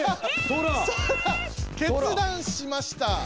ソラ決断しました。